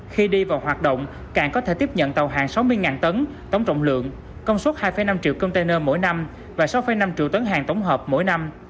khi đi vào hoạt động càng có thể tiếp nhận tàu hàng sáu mươi tấn tổng trọng lượng công suất hai năm triệu container mỗi năm và sáu năm triệu tấn hàng tổng hợp mỗi năm